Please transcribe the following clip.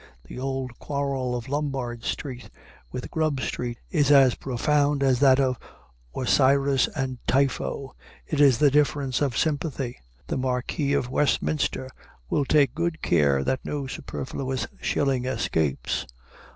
The old quarrel of Lombard Street with Grub Street is as profound as that of Osiris and Typho it is the difference of sympathy. The Marquis of Westminster will take good care that no superfluous shilling escapes.